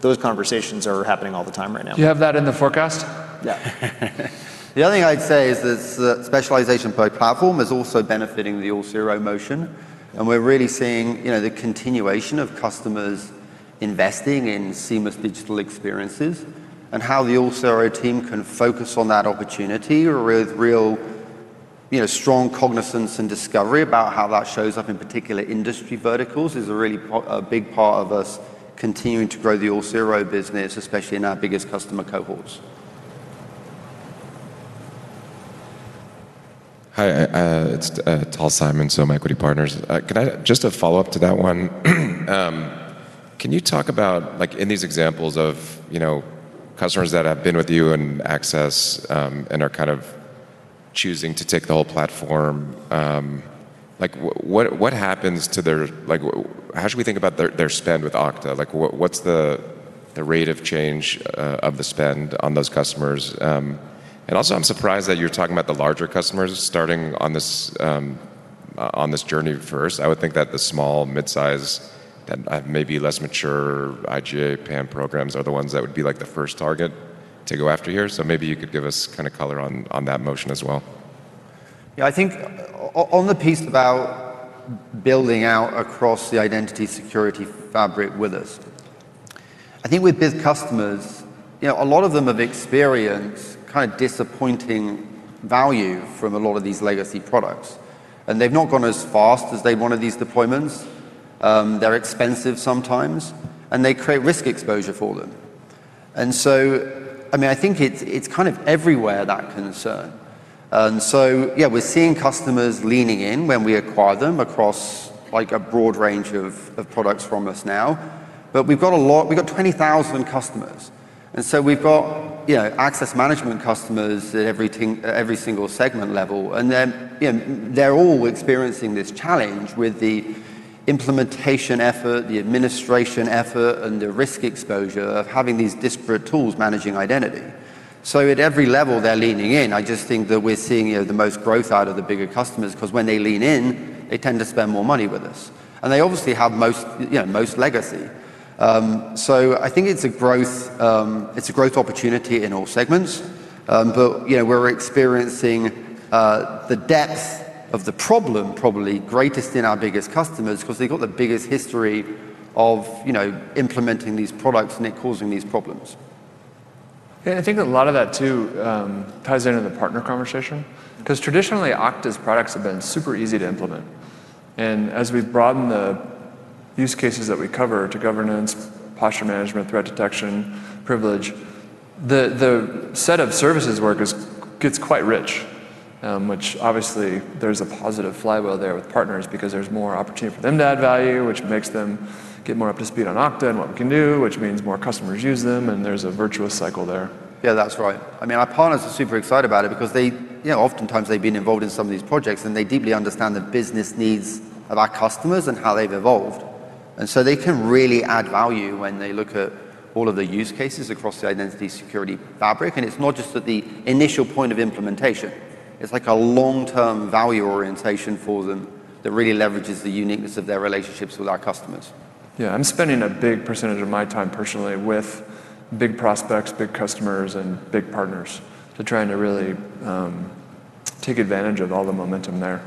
Speaker 3: Those conversations are happening all the time right now.
Speaker 2: Do you have that in the forecast?
Speaker 9: Yeah. The other thing I'd say is that specialization per platform is also benefiting the Auth0 motion. We're really seeing the continuation of customers investing in seamless digital experiences, and how the Auth0 team can focus on that opportunity with real, strong cognizance and discovery about how that shows up in particular industry verticals is a really big part of us continuing to grow the Auth0 business, especially in our biggest customer cohorts.
Speaker 17: Hi, it's Tal Simon, SoMa Equity Partners. Can I just ask a follow-up to that one? Can you talk about, in these examples of customers that have been with you in access and are kind of choosing to take the whole platform, what happens to their, how should we think about their spend with Okta? What's the rate of change of the spend on those customers? I'm surprised that you're talking about the larger customers starting on this journey first. I would think that the small, mid-size, then maybe less mature IGA PAM programs are the ones that would be the first target to go after here. Maybe you could give us kind of color on that motion as well.
Speaker 9: Yeah, I think on the piece about building out across the identity security fabric with us, I think with these customers, a lot of them have experienced kind of disappointing value from a lot of these legacy products. They've not gone as fast as they wanted these deployments. They're expensive sometimes, and they create risk exposure for them. I think it's kind of everywhere, that concern. We're seeing customers leaning in when we acquire them across a broad range of products from us now. We've got a lot, we've got 20,000 customers. We've got, you know, access management customers at every single segment level. They're all experiencing this challenge with the implementation effort, the administration effort, and the risk exposure of having these disparate tools managing identity. At every level, they're leaning in. I just think that we're seeing the most growth out of the bigger customers because when they lean in, they tend to spend more money with us. They obviously have most, you know, most legacy. I think it's a growth opportunity in all segments. We're experiencing the depth of the problem probably greatest in our biggest customers because they've got the biggest history of implementing these products and it causing these problems.
Speaker 2: I think a lot of that too ties into the partner conversation because traditionally Okta's products have been super easy to implement. As we've broadened the use cases that we cover to governance, posture management, threat detection, privilege, the set of services work gets quite rich, which obviously bears a positive flywheel there with partners because there's more opportunity for them to add value, which makes them get more up to speed on Okta and what we can do, which means more customers use them. There's a virtuous cycle there.
Speaker 9: Yeah, that's right. I mean, our partners are super excited about it because they oftentimes have been involved in some of these projects and they deeply understand the business needs of our customers and how they've evolved. They can really add value when they look at all of the use cases across the identity security fabric. It's not just at the initial point of implementation. It's like a long-term value orientation for them that really leverages the uniqueness of their relationships with our customers.
Speaker 2: Yeah, I'm spending a big percentage of my time personally with big prospects, big customers, and big partners to try to really take advantage of all the momentum there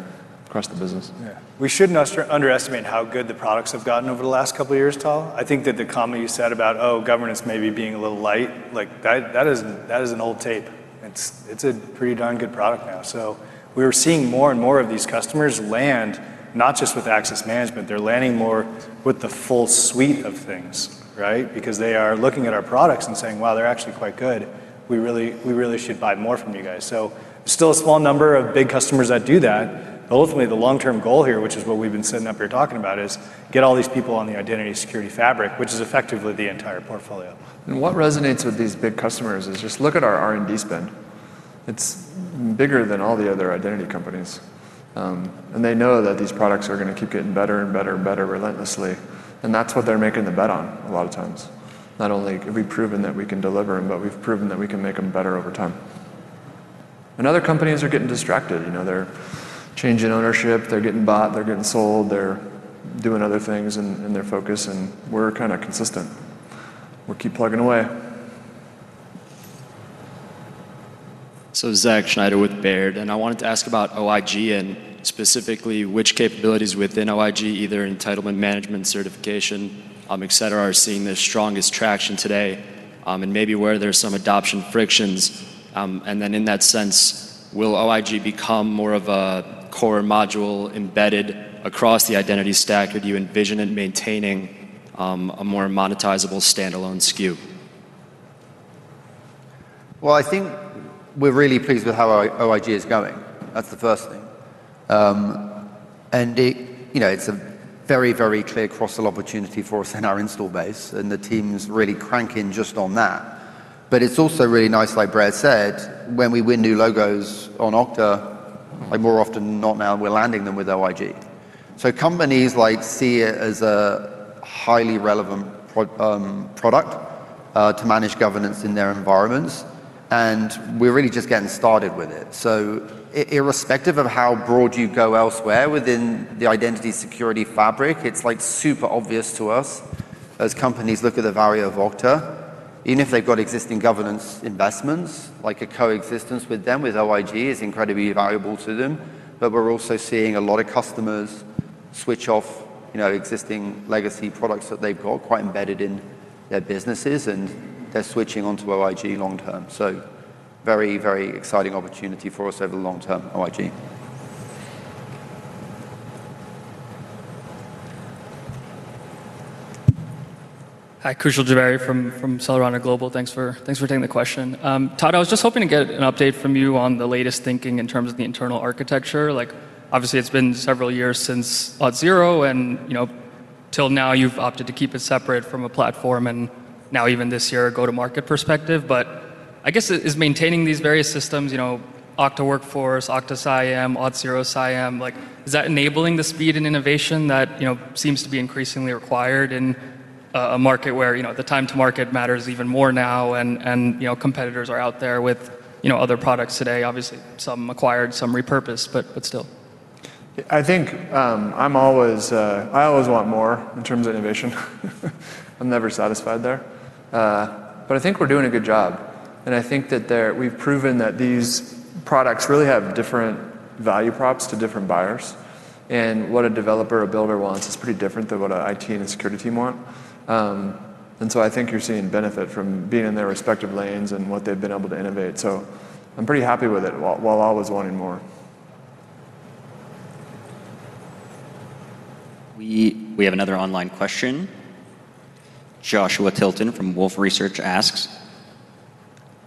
Speaker 2: across the business.
Speaker 3: Yeah, we shouldn't underestimate how good the products have gotten over the last couple of years, Todd. I think that the comment you said about, oh, governance maybe being a little light, like that is an old tape. It's a pretty darn good product now. We're seeing more and more of these customers land not just with access management. They're landing more with the full suite of things, right? Because they are looking at our products and saying, wow, they're actually quite good. We really, we really should buy more from you guys. It's still a small number of big customers that do that. Ultimately, the long-term goal here, which is what we've been sitting up here talking about, is get all these people on the identity security fabric, which is effectively the entire portfolio.
Speaker 2: What resonates with these big customers is just look at our R&D spend. It's bigger than all the other identity companies. They know that these products are going to keep getting better and better and better relentlessly. That's what they're making the bet on a lot of times. Not only have we proven that we can deliver them, but we've proven that we can make them better over time. Other companies are getting distracted. They're changing ownership. They're getting bought. They're getting sold. They're doing other things in their focus. We're kind of consistent. We'll keep plugging away.
Speaker 18: Zach Schneider with Baird. I wanted to ask about OIG and specifically which capabilities within OIG, either entitlement management, certification, et cetera, are seeing the strongest traction today and maybe where there's some adoption frictions. In that sense, will OIG become more of a core module embedded across the identity stack? Or do you envision it maintaining a more monetizable standalone SKU?
Speaker 9: I think we're really pleased with how OIG is going. That's the first thing. It's a very, very clear cross-sell opportunity for us in our install base, and the team is really cranking just on that. It's also really nice, like Brett said, when we win new logos on Okta, more often than not now, we're landing them with OIG. Companies see it as a highly relevant product to manage governance in their environments, and we're really just getting started with it. Irrespective of how broad you go elsewhere within the identity security fabric, it's super obvious to us as companies look at the value of Okta. Even if they've got existing governance investments, a coexistence with them with OIG is incredibly valuable to them. We're also seeing a lot of customers switch off existing legacy products that they've got quite embedded in their businesses, and they're switching onto OIG long term. Very, very exciting opportunity for us over the long term, OIG.
Speaker 19: Hi, [Krishal Jivheari] from [Salarana Global]. Thanks for taking the question. Todd, I was just hoping to get an update from you on the latest thinking in terms of the internal architecture. Obviously, it's been several years since Auth0. You know, till now, you've opted to keep it separate from a platform. Now, even this year, a go-to-market perspective. I guess is maintaining these various systems, you know, Okta Workforce, Okta SIEM, Auth0 SIEM, like, is that enabling the speed and innovation that, you know, seems to be increasingly required in a market where the time to market matters even more now? You know, competitors are out there with other products today. Obviously, some acquired, some repurposed, but still.
Speaker 2: I think I always want more in terms of innovation. I'm never satisfied there. I think we're doing a good job, and I think that we've proven that these products really have different value props to different buyers. What a developer, a builder wants is pretty different than what an IT and a security team want. I think you're seeing benefit from being in their respective lanes and what they've been able to innovate. I'm pretty happy with it while I was wanting more.
Speaker 1: We have another online question. Joshua Tilton from Wolfe Research asks,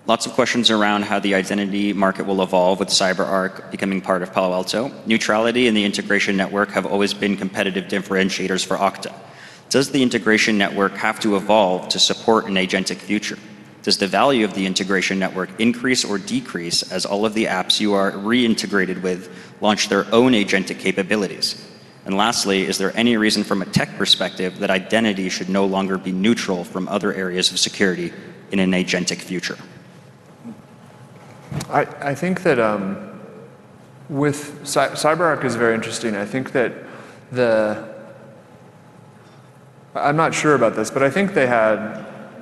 Speaker 1: lots of questions around how the identity market will evolve with CyberArk becoming part of Palo Alto. Neutrality and the integration network have always been competitive differentiators for Okta. Does the integration network have to evolve to support an agentic future? Does the value of the integration network increase or decrease as all of the apps you are reintegrated with launch their own agentic capabilities? Lastly, is there any reason from a tech perspective that identity should no longer be neutral from other areas of security in an agentic future?
Speaker 2: I think that with CyberArk is very interesting. I think that I'm not sure about this, but I think they had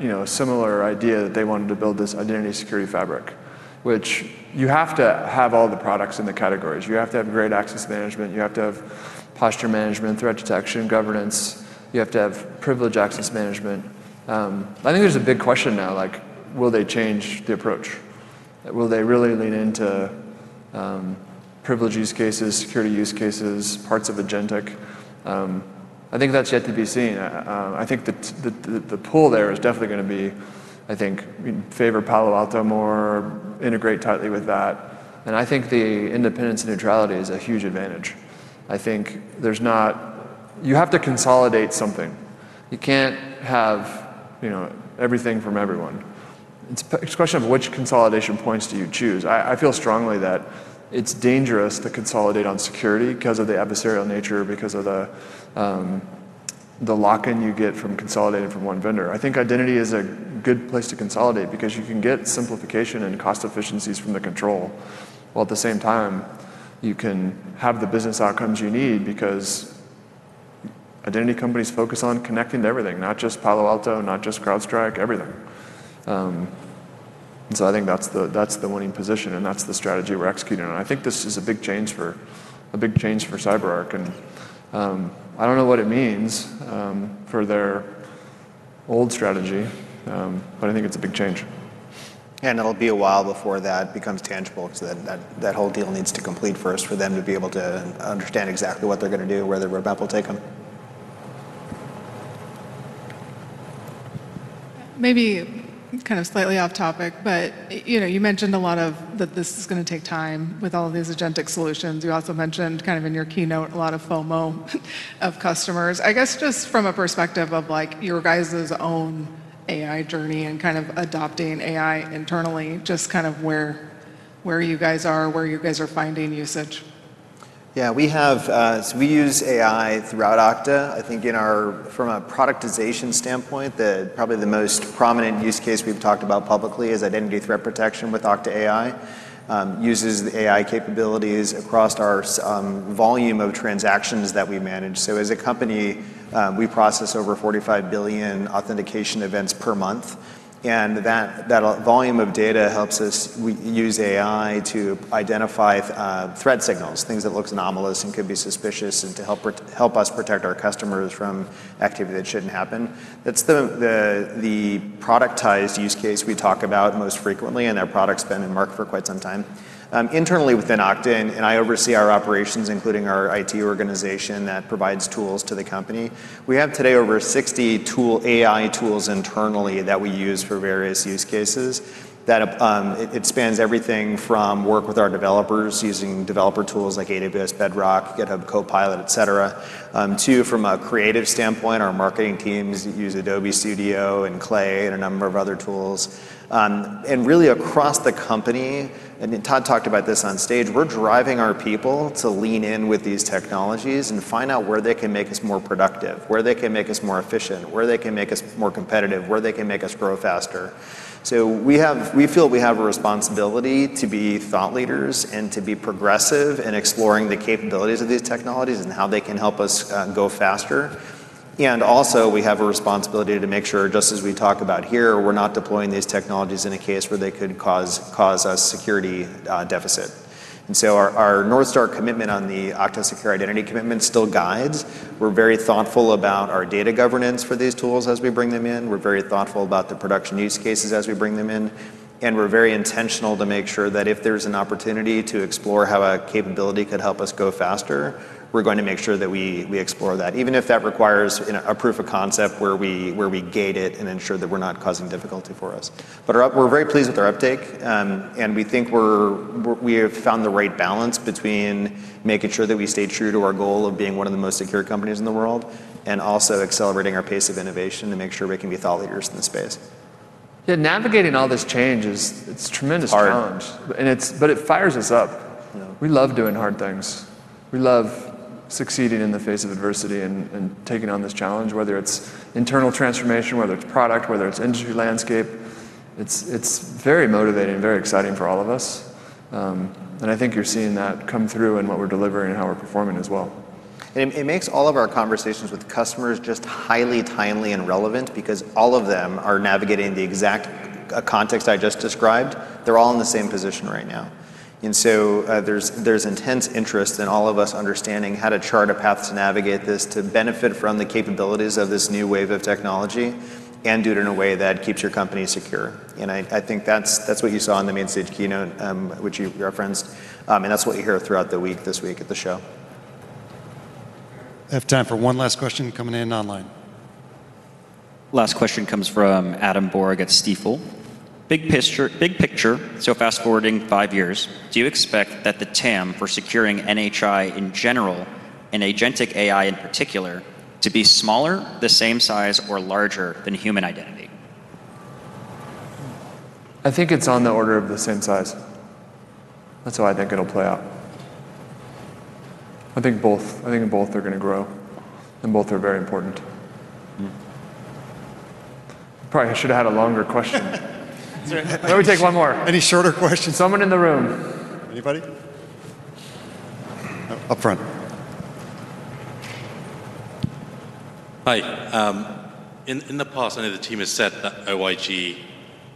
Speaker 2: a similar idea that they wanted to build this identity security fabric, which you have to have all the products in the categories. You have to have great access management. You have to have posture management, threat detection, governance. You have to have privileged access management. I think there's a big question now, like, will they change the approach? Will they really lean into privileged use cases, security use cases, parts of agentic? I think that's yet to be seen. I think that the pull there is definitely going to be, I think, favor Palo Alto more, integrate tightly with that. I think the independence and neutrality is a huge advantage. I think there's not, you have to consolidate something. You can't have everything from everyone. It's a question of which consolidation points do you choose? I feel strongly that it's dangerous to consolidate on security because of the adversarial nature, because of the lock-in you get from consolidating from one vendor. I think identity is a good place to consolidate because you can get simplification and cost efficiencies from the control. While at the same time, you can have the business outcomes you need because identity companies focus on connecting to everything, not just Palo Alto, not just CrowdStrike, everything. I think that's the winning position and that's the strategy we're executing on. I think this is a big change for CyberArk. I don't know what it means for their old strategy, but I think it's a big change.
Speaker 3: Yeah, it'll be a while before that becomes tangible because that whole deal needs to complete first for them to be able to understand exactly what they're going to do, where the roadmap will take them.
Speaker 20: Maybe kind of slightly off topic, but you know, you mentioned a lot of that this is going to take time with all of these agentic solutions. You also mentioned in your keynote a lot of FOMO of customers. I guess just from a perspective of like your guys' own AI journey and kind of adopting AI internally, just where you guys are, where you guys are finding usage.
Speaker 3: Yeah, we have, so we use AI throughout Okta. I think in our, from a productization standpoint, probably the most prominent use case we've talked about publicly is Identity Threat Protection with Okta AI. It uses the AI capabilities across our volume of transactions that we manage. As a company, we process over 45 billion authentication events per month. That volume of data helps us use AI to identify threat signals, things that look anomalous and could be suspicious, and to help us protect our customers from activity that shouldn't happen. That's the productized use case we talk about most frequently, and our product's been in market for quite some time. Internally within Okta, and I oversee our operations, including our IT organization that provides tools to the company. We have today over 60 AI tools internally that we use for various use cases. It spans everything from work with our developers using developer tools like AWS Bedrock, GitHub Copilot, et cetera, to, from a creative standpoint, our marketing teams use Adobe Studio and Clay and a number of other tools. Really across the company, and Todd talked about this on stage, we're driving our people to lean in with these technologies and find out where they can make us more productive, where they can make us more efficient, where they can make us more competitive, where they can make us grow faster. We feel we have a responsibility to be thought leaders and to be progressive in exploring the capabilities of these technologies and how they can help us go faster. We also have a responsibility to make sure, just as we talk about here, we're not deploying these technologies in a case where they could cause a security deficit. Our North Star commitment on the Okta secure identity commitment still guides. We're very thoughtful about our data governance for these tools as we bring them in. We're very thoughtful about the production use cases as we bring them in. We're very intentional to make sure that if there's an opportunity to explore how a capability could help us go faster, we're going to make sure that we explore that, even if that requires a proof of concept where we gate it and ensure that we're not causing difficulty for us. We're very pleased with our uptake. We think we have found the right balance between making sure that we stay true to our goal of being one of the most secure companies in the world and also accelerating our pace of innovation to make sure we can be thought leaders in the space.
Speaker 2: Yeah, navigating all this change is a tremendous challenge. It fires us up. We love doing hard things. We love succeeding in the face of adversity and taking on this challenge, whether it's internal transformation, whether it's product, whether it's industry landscape. It's very motivating and very exciting for all of us. I think you're seeing that come through in what we're delivering and how we're performing as well.
Speaker 3: It makes all of our conversations with customers just highly timely and relevant because all of them are navigating the exact context I just described. They're all in the same position right now. There is intense interest in all of us understanding how to chart a path to navigate this to benefit from the capabilities of this new wave of technology and do it in a way that keeps your company secure. I think that's what you saw in the main stage keynote, which you referenced. That's what you hear throughout the week this week at the show.
Speaker 2: I have time for one last question coming in online.
Speaker 1: Last question comes from Adam Borg at Stifel.
Speaker 21: Big picture, fast forwarding five years, do you expect that the total addressable market for securing NHI in general and agentic AI in particular to be smaller, the same size, or larger than human identity?
Speaker 2: I think it's on the order of the same size. That's how I think it'll play out. I think both are going to grow and both are very important. Probably I should have had a longer question. Why don't we take one more? Any shorter questions? Someone in the room. Anybody up front.
Speaker 22: Hi. In the past, I know the team has said that OIG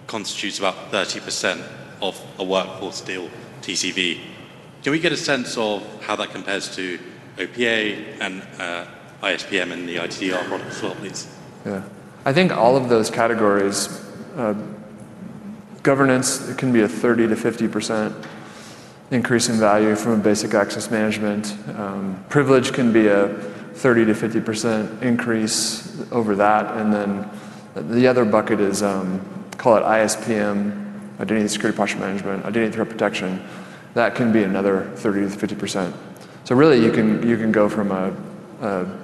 Speaker 22: constitutes about 30% of a workforce deal TCV. Can we get a sense of how that compares to OPA and ISPM and the ITDR products as well, please?
Speaker 2: Yeah, I think all of those categories, governance can be a 30%-50% increase in value from a basic access management. Privileged can be a 30%-50% increase over that. The other bucket is, call it identity security posture management, identity threat protection. That can be another 30%-50%. You can go from a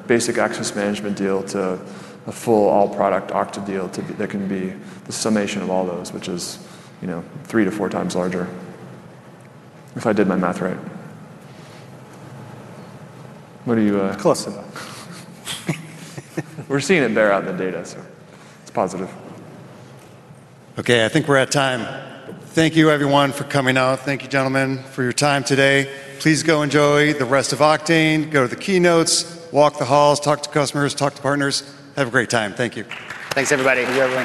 Speaker 2: basic access management deal to a full all-product Okta deal that can be the summation of all those, which is, you know, 3x-4x larger if I did my math right. What are you?
Speaker 9: Close enough.
Speaker 2: We're seeing it bear out in the data, so it's positive.
Speaker 1: Okay, I think we're at time. Thank you, everyone, for coming out. Thank you, gentlemen, for your time today. Please go enjoy the rest of Oktane, go to the keynotes, walk the halls, talk to customers, talk to partners. Have a great time. Thank you.
Speaker 2: Thanks, everybody.